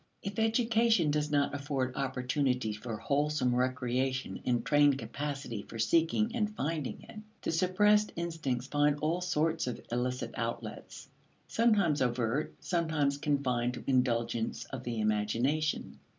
If education does not afford opportunity for wholesome recreation and train capacity for seeking and finding it, the suppressed instincts find all sorts of illicit outlets, sometimes overt, sometimes confined to indulgence of the imagination.